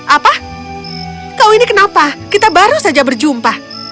apa kau ini kenapa kita baru saja berjumpa